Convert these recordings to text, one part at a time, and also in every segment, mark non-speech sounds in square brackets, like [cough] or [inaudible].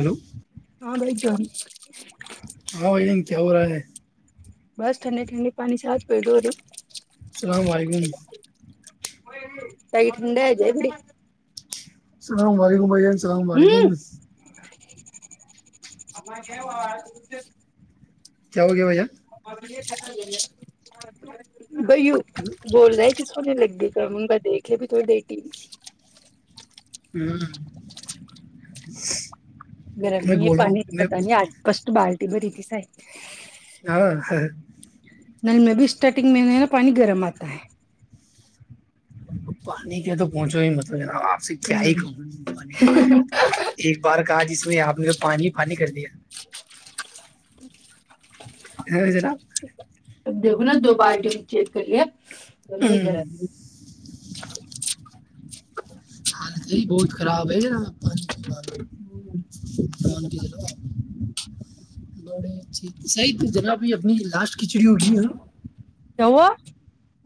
hello ہاں ب ج [unintelligible] [inaudible] [unintelligible] ہ یہ ان کیا ہو رہ ہے [unintelligible] بس ٹنڈے ٹھنڈے پانی ساتھ پی دو اورر [unintelligible] السلام علیکم [unintelligible] سائی ٹھنڈا ہے جائے بڑی [unintelligible] السلام علیکم بھائی جان [unintelligible] السلام علیکم [unintelligible] ہم کیا آ [unintelligible] [unintelligible] کیا ہوگیا بھائی جان [unintelligible] اورجے [unintelligible] ج [unintelligible] [unintelligible] بائی بول رہ ہے کس کو نہیں لگی کر موں گا دیکھ [unintelligible] بھی تھوڑ دٹ [unintelligible] ہوں [unintelligible] گرم میں نہیں یہ بولا پانی تو میں پتا نہیں آج فسٹ بال [unintelligible] ر برییتی سائ [unintelligible] ہاں [unintelligible] نل میں بھی اسٹارٹنگ میں نا پانی گرم آتا ہے [unintelligible] پانی کیا تو پہنچو ہی مطلب ہے [unintelligible] آپ سے کیا ہی ہوں کہوں مانی کے بارے میں تو ایک بار کہا جسے [unintelligible] آپ نے کو پانی ہی پانی کر دیا [unintelligible] خ جرا [unintelligible] دیکھو نا دو بارٹی چیک کریے [unintelligible] چ بھی گر [unintelligible] حالتی بہت خراب ہے نا پانی ہے [unintelligible] ان کی گڑے [unintelligible] جیھ [unintelligible] سی تو جناب یہ اپنی لاسٹ کھچڑی ہوگی ہاں [unintelligible] ج [unintelligible]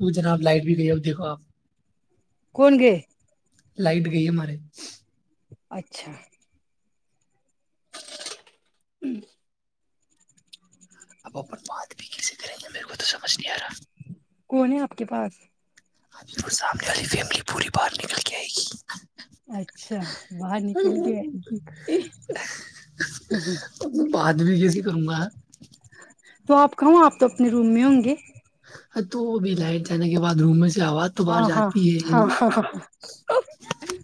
وہ جناب لائٹ بھی گئی ا دیکھو آپ [unintelligible] کون گے [unintelligible] لائٹ گئی ہے ہمارے [unintelligible] اچھا [unintelligible] ہوں [unintelligible] اب اپن بات بھی کیسے کریں گے میرے کو تو سمجھ نہیں آ رہا [unintelligible] کون ہے آپ کے پاس [unintelligible] سامنے والی فیملی پوری باہر نکل کے آئے گی [unintelligible] اچھا باہر نکل گ [unintelligible] پاتد بھییے [unintelligible] [unintelligible] [unintelligible] تو آپ کہوں آپ تو اپنے روم میں ہوں گے تو بھی لائٹ جانے کے بعد روم میں سے آواز تو باہر ہاں ہاں جاتی ہے ہاں ہاں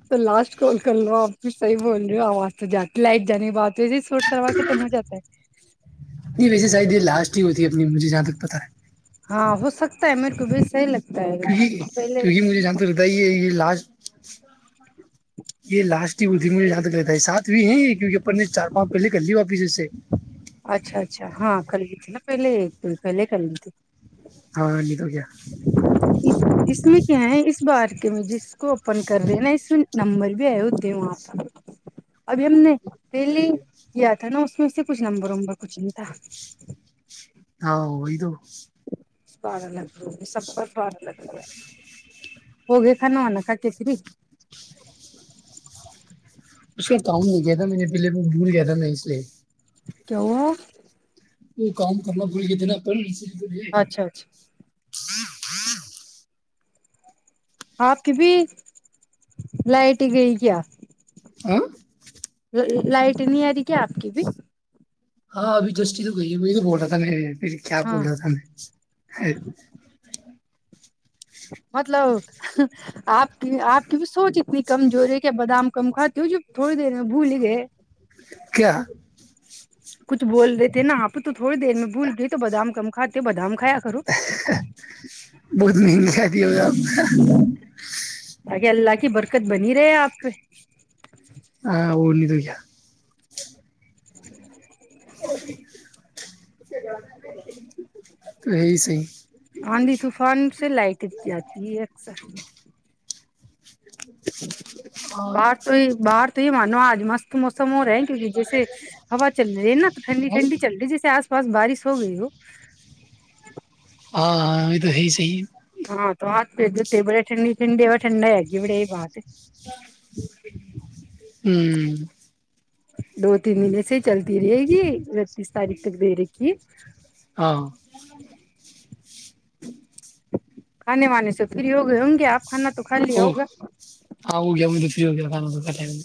تو لاسٹ کال کر لو آپ صحی بول رہی ہو آواز تو جاتی لائٹ جانے بات جیے سوٹ سروا ختم ہو جاتا ہے یہ ویسے [unintelligible] شاید یہ لاسٹ ہی ہوتی ہے اپنی مھے جہاں تک پتاہ ہے [unintelligible] ہاں ہو سکتا ہے میرے کو بھی صحیح لگتا ہے [unintelligible] کیکہ پہلے کیونکہ مجھے جانتے رہتا ہے یہ لاس [unintelligible] اچھا [unintelligible] یہ لاسٹ [unintelligible] م جاں تک رہتا ہے سات بھی ہے کیک اپن نے چار پانچ پہلے کر لی واپس اس سے [unintelligible] اچھا اچھا ہاں کر لی تھی نا پہلے ایک تو پہلے کر لی تھی [unintelligible] ہاں نہیں تو کیا اس اس میں کیا ہیں اس بار [unintelligible] کہ جس کو [unintelligible] اپن کر رہے ہیں نا اس [unintelligible] نمبر بھی آئے ہوتے ہیں وہاں کا ابھی ہم نے [unintelligible] پہلی یا تھا نو [unintelligible] ویسے کچھ نمبر ومبر کچھ انتا [unintelligible] ہاں ا تو [unintelligible] سارا لگ لو گ سب کا سوارا لگ رہا ہے ہوگئے کھان آناا کھا کے پری [unintelligible] اس کا کام د کیایا تھا میں نے پہلے م دور گیا تھا ن اس لیے [unintelligible] کیوں ہے [unintelligible] وہ کام کرنا بھول کےئے تھ نا پہ سے [unintelligible] جے [inaudible] [unintelligible] جی اچھا اچھا جی [inaudible] [unintelligible] آپ کی بھی لائٹ گئی کیا آپ [unintelligible] آ [unintelligible] [unintelligible] لائٹ نہیں آ رہی کیا آپ کی بھی [unintelligible] ہاں ابھی جسٹی تو گئی ہے وہی تو بول رہا تھا میںیرے [unintelligible] پھر کیا بول ہاں رہا تھا میں [unintelligible] مطلب آپ کی آپ کی بھی [unintelligible] سوچ اتنی کمزوری ہے کہ بادام [unintelligible] کم کاتی ہووں جب تھوڑی دیر میں بھول گئے [unintelligible] کیا کچھ بول رہے تھے نا آپ تو تھوڑی دیر میں بھول گئے تو بادام کم کھاتے بادام [unintelligible] کھیا کرو [unintelligible] بہت مہنگی شادی ہو ج [unintelligible] جگے اللہ حگی بر [unintelligible] دقت بنی رہے آپ پہ [unintelligible] ہاں وہ تو [unintelligible] ج [inaudible] [unintelligible] ج [inaudible] [unintelligible] ا [inaudible] [unintelligible] [inaudible] [unintelligible] آندھی طوفان سے لائٹ جاتی ہے اثر [unintelligible] ہاں باہر تو ہی باہر تو ہی مار [unintelligible] ن آج م [unintelligible] موسم ہو رہا ہے کیونکہ جیسے ہوا چل رہی نا تو ٹھنڈی ٹنڈی چل رہی جیس آس [unintelligible] بس بارش ہو گئی ہو [unintelligible] ہاںاں یہ تو ہےی صحی [unintelligible] پھر جتے بڑے ٹنڈ ٹنڈی ہے ٹھنڈ ہے گ بڑےی بات [unintelligible] ہوں دو تین دن سے [unintelligible] چلتی رہے گی اتیس تاریخ تک دے رےھی ہاں [unintelligible] کھے وانے سے فری ہو گئے ہوں گے آپ کھانا تو [unintelligible] او ہوگا ہاں ہو گیا م [unintelligible] ای کاان کاٹے [unintelligible]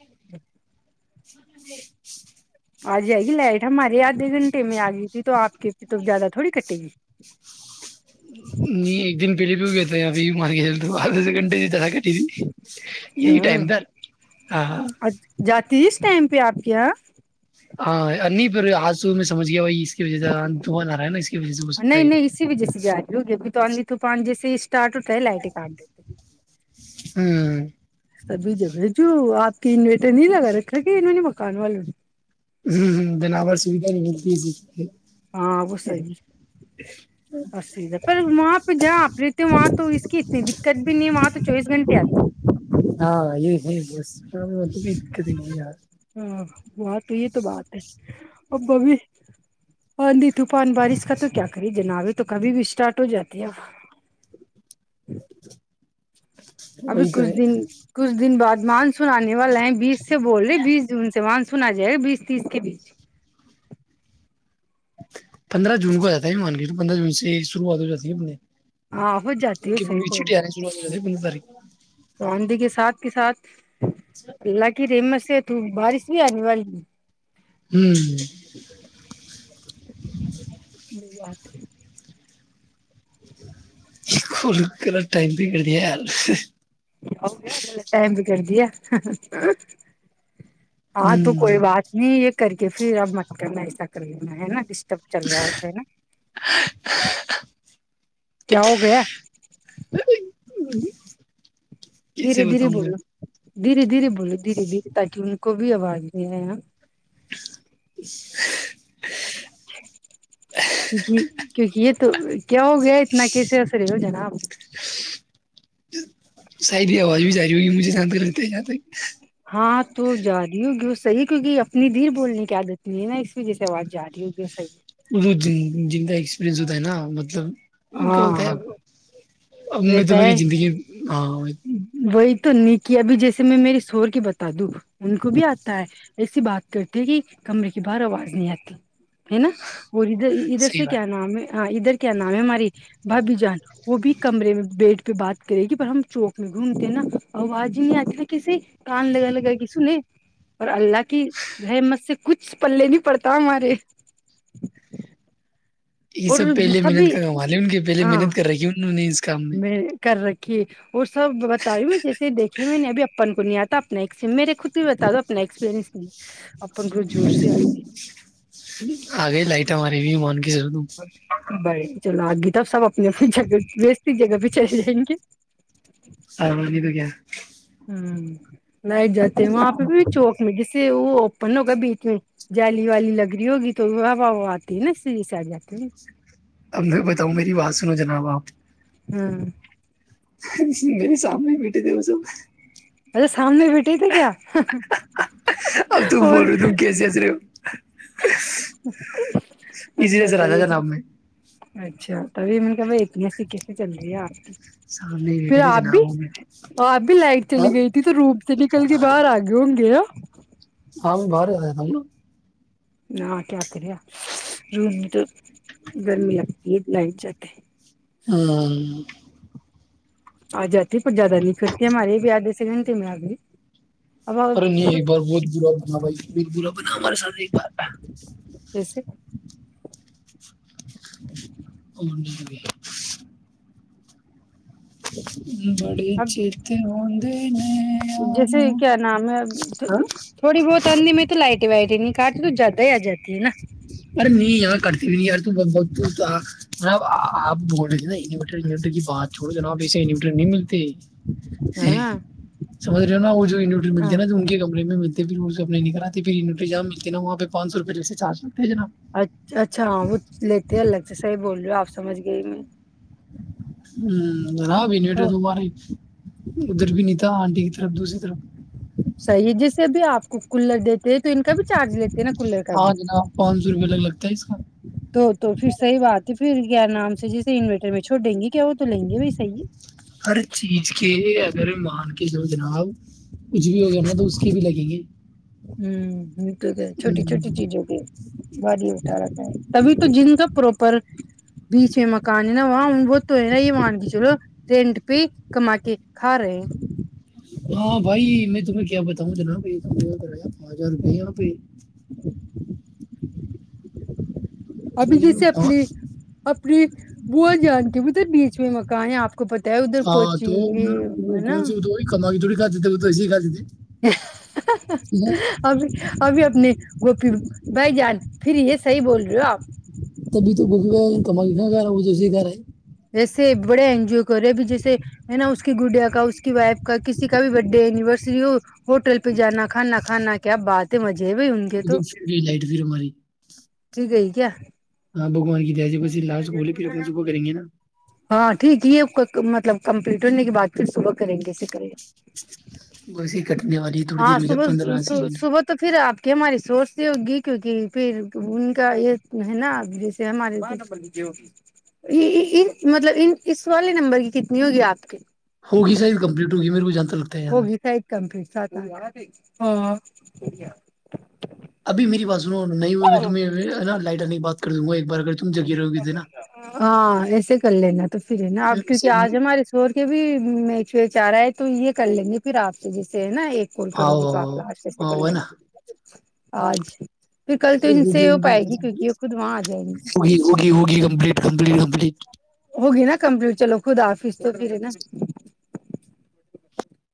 [inaudible] [unintelligible] [inaudible] [unintelligible] آ جائے گی لائٹ ہمارے آدھے گھنٹے میں آ گئی تھی تو آپ کے پ تو زیادہ تھوڑی کٹے گی [unintelligible] نہیں ایک دن [unintelligible] پیلی بھی ہو گتے ہیں ابھی مارک کے چل تو آدھےس گنٹے جاکے [unintelligible] ی یہی ٹائم د ہاں ہاں [unintelligible] تس ٹائم پہ آپ کے یہاں [unintelligible] ہاں ا نہیں پھر آسو میں سمجھ گیا وہی [unintelligible] اس کی وجہ سے د آ رہا ہے نا اس کی وجہ سے ہو سکتا نہیں ہے یہ نہیں اسی وجہ سے جا رہی ہوگی ابھی [unintelligible] تو طو پان جیس [unintelligible] اسٹارٹ ہوٹتا ہے لائٹ ہی کاٹ دیتے [unintelligible] ہوں [unintelligible] سبھی جگہ جو آپ کے انویٹر نہیں لگا رکھا گ انہوں نے مکان والوں نے [unintelligible] ہ ہ دن آبار سویدھا نہیں ملتی ت [unintelligible] ہاں وہ صیحھا پر وہاں پہ جہاں آپ رہتے وہاں تو اس کی اتنی دقت بھی نہیں ہے وہاں تو چوبیس گھنٹے آتی ہاں یہ ہے بس کوئی دقت ہی نہیں یار ہے ہ ہاں تو یہ تو بات ہے ا بب [inaudible] آندی طوفان بارش کا تو کیا کری جنابی تو کبھی بھی اسٹارٹ ہو جاتی ہے اب [inaudible] ابھی وہی تو کچھ ہے دن کچھ دن بعد مان سناننے والا ہیں بیس سے بول رہے بیس جون سے وہاں سنا جائے گا بیس تیس کے بیچ پندرہ جون کو جاتا ہے مان کے پندرہ جون سے شروعات ہو جاتی ہے اپنے ہاں ہو جاتی ان ہو کی پل صحی کی بول چھیٹیں رہی آنی شروعات ہو جاتی ہے پندرہ تاریخ تو آدھی کے ساتھ کے ساتھ اللہگ رے مست سے توو بارش بھی آنے والی ہوں ب بات ک کر ٹائم بھی کرڑ دیا ہے یار گ ٹم کر دیا ہاں تو کوئی بات نہیں ایک کر کے پھر اب مٹر میں ایسا کر لین ہےا ڈ جب چل رہا ہو اے ہے نا کیا ہو گیا ہوں کیسے دھیرے دھیرے بتاؤں میں بولو دھیرے دھیرے بولو دھیرے دھیرے تاکہ ان کو بھی آواز میںے آ ج ہ کیکہ کیونکہ یہ تو کیا ہو گیا اتنا کیسے اسر ہو جاناپ ہ شاید یہ آواز بھی ج رہاری ہوگی مجھے شانت لگتا ہے جہاں تک ہاں تو جا رہی ہوگی وہ صحیح کیک اپنی دیر بولنے کی عادت نہیں ہے نا اس وجہ سے آواز جا رہی ہوگی وہ صحیح جہ ایکسپرینس ہوتا ہے نا مطلب وہ کہت ہے ہاں اب میں تو رہتا ہے میری زندگی ہاں وہی تو نیکی ابھی جیسے میں میرے شور کی بتا دوں ان کو بھی آتا ہے ایسی بات کرتے کہ کمرے کی باہر آواز نہیں آتی ہے نا [unintelligible] اور ادھر ادھر صحیح سے کیا بات نام ہے ادھر [unintelligible] کیا نام ہے ہماری بھابھی جان وہ بھی [unintelligible] کمرے میں بیڈ پہ بات کرے گی پر ہم چوک میں گھومتے ہیں نا آواز ہی نہیں آتی کیسے [unintelligible] کان لےگان لےگئی گ س نے [unintelligible] اور اللہ کی رحمت سے کچھ پلے نہیں پڑتا ہمارے [unintelligible] یہ اور سبہلے محنت سبھی کر وال لے ان کے پہل محنت کر رہی ہے انہوں نے [unintelligible] میںیر کر رکھ [unintelligible] کہ اور سب بتاائی میں جیسے دیکھیے میں نے ابھی اپن کو نہیں آتا اپنا میرے خود بھی بتا دو اپنا ایکسپیرنس نہیں اپن کو زور سے آگو لف لف لف لف آگے لائٹا مار بھی من بائے چلو آگی تب سب پوجا کر کسی جگہ بھیہ چل جائیں گے ہاںگ تو کیا [unintelligible] ہاں [unintelligible] لائٹ جاتے ہیں وہاں پہ بھی چوک میں ج [unintelligible] وہ اوپن ہوگا بیچ میں جالی والی لگ رہی ہوگی تو و و آتی ہے نا سڑھی سائ جاتی نا [unintelligible] اب میں بتاؤں میری بات سنو جناب آپ [unintelligible] ہاں [unintelligible] نہیں سامنے بیٹے د س [unintelligible] ا [inaudible] سامنے بیٹھے تھے کیا اب تم اور بول رہے ہو تم کیسے ہنس رہے ہو [unintelligible] اسی اچھا لیے سر اچھا آتا یہس جناب میں [unintelligible] اچھا تبھی میں نے کہ بھائی اتنی سکے سے چل رہی ہے آپ کی [unintelligible] سامنے ہی پھر بیٹھے تھے آپ بھی جناب وہ میرے آپ بھی لائٹ ہاں چلی گئی تھی تو روپ سے نکل کے باہر آگئے ہوں گے [unintelligible] ہم بار آائے تھا ن [unintelligible] نہ کیا کرے روم میں تو گرمی لگتی ہے لائٹ جاتے ہیں [unintelligible] ہوں [unintelligible] آ جاتی پر زیادہ نہیں کرتی ہمارے بھی آدھے سےے گھنٹے میں آ گئی [unintelligible] ارے نہیں اب ایک بار بت بلاپ ب بائی بلا [unintelligible] ہمارے ساتھ ایک بات ہے [unintelligible] کیسے [unintelligible] اور جی [unintelligible] [inaudible] بڑے اب چیتے ہ [unintelligible] تین [unintelligible] جیسے کیا نام ہے ہاں تھوڑی بہت اندھی میں تو لائٹ وائٹ ہی نہیں کاٹتی تو جاتا ہی جاتا [unintelligible] نا [unintelligible] ارے نہیں یہاں کرتے بھی نہیں یار مب آپ بول رہے تھے نا انورٹر انورٹر کی بات چھڑو ج ن آپ ایسے انوریٹر نہیں ملتے [unintelligible] نا سے ہاں [unintelligible] سمری [unintelligible] انوٹرل ہاں ہیںا تو ان کے کمے میں ملتے [unintelligible] پھر روزب نہیں کراتتے پھر انوٹری جام ملتے نا وہ پہ پان سو روپئے لے سے چار سو [unintelligible] اچھ اچھا ہاں وہ لیتے الگ سے صحیح بول رہے ہو آپ [unintelligible] سمجھ گئی میں [unintelligible] ہوں [unintelligible] ار ہاں بھی نیٹ ت ماری [unintelligible] ادھر بھی نہیں تھا آنٹی کی طرف دوسری طرف [unintelligible] صحیح جیسے بھی آپ کو کولر دیتے ہیں تو ان کا بھی چارج لیتے [unintelligible] نا کلے کا بھی ہاں جناب پانچ سو روپئے الگ لگتا ہے اس کا تو تو پھر صحیح بات [unintelligible] تو پھر کیا نام سے جیسے انوریٹر میں چوڑ دیں گے کیا وہ تو لیں گے بھ صحی ہے ہر چیز کے اگر مان کے جو جناب کچھ بھی ہوگا نا تو اس کے بھی لگیں گے ہ تو چھوٹی چھوٹی ہم، چیزوں کے بازی اٹھا رہتا ہے تبھی تو جن پروپر بیچ میں مکان ہے نا وہاں وہ تو ہے نا یہ وہاں کہ چلو رینٹ پہ کما کے کھا رہے ہیں ہاں بھائی میں تمہیں کیا بتاؤں جناب بائی کر رہے پانچ ہزار روپئے یہاں پہ ابھی سمجھ رہے ہو جیسے اپنی پانچ- اپنی بوو جان کے مدھر نیچ مکان ہیں آپ کو پتا ہے ادھر ہاں تو کوچنگ وہ ہے کون نا سے توی کما کے تھوڑی کھاتے تھے وہ تو ایسے ہی کھاتے تھے ہاں، ابھی ابھی ا گوپی بھائی جان پھر یہ صحیح بول رہے ہو آپ تبھی تو کم گ رہا وہ توے گ رہا ہے ایسے بڑے انجوائے کر رہے ہیںب جیسے ہے نا اس کی گڈیا کا اس کی وائف کا کسی کا بھی ب ڈے اینیورسری ہو ہوٹل پہ جانا کھانا کھانا کیا بات ہے مز جے بھائی ان کے وہ تو پھر گئی لائٹ پھر ہماری پ گئی کیا ہاں بگوان ب سے لاسٹ بولے پھر اپنا صبح کریں گ نا ہاں ٹھیک ہی مطلب کمپلیٹ ہونے کے بعد پھر صبح کریں گےکل بس یہ کٹنے والی ہے تھوڑی دیر ہاں ہو جائے صبح پندرہ سیکنڈ صبح تو پھر آپ کے ہماری سوچتی ہوگی کیونکہ پھر ان کا یہ ہے نا جیسے ہمارے مطلب ان اس والے نمبر کی کتنی ہوگی آپ کے ہوگی سر کمپلیٹ گ میر کو جان ہووگی سائت کمپٹ س ہاں ابھی میری باتاز س نو نہیں ہو تم نا لائٹر بات کر ایک بار تم جگی رہو گی تو نا ہاں ایسے کر لینا تو پھر ہے نا اب میں کیونکہ میسج آج ہاں ہمارے شور کے بھی میچ ویچ آ رہا ہے تو یہ کر لیں گے پھر آپ سے جیسے نا ایک کوال کرو گی ہاں تو ہاں آپ ہاں، لاس پس کن ہاں، ہے لیں نا گا آج پھر کل تو ان ہوگی سے ہو پائے گی ہوگی کیونکہ وہ خود وہاں آ جائےیں گی ک کم کمٹ ہوگی نا کمپلیٹ چلو خود آفس تو پھر ہے نا